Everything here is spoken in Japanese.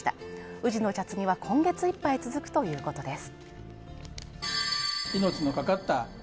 宇治の茶摘みは今月いっぱい続くということです。